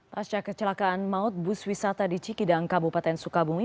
pasca kecelakaan maut bus wisata di cikidang kabupaten sukabumi